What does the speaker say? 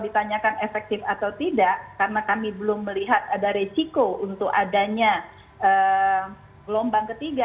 ditanyakan efektif atau tidak karena kami belum melihat ada resiko untuk adanya gelombang ketiga